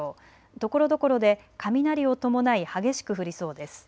ところどころで雷を伴い激しく降りそうです。